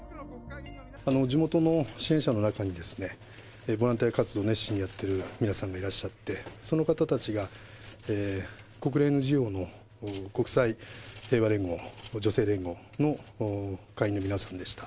地元の支援者の中に、ボランティア活動を熱心にやっている皆さんがいらっしゃって、その方たちが、国連ＮＧＯの国際平和連合、女性連合の会員の皆さんでした。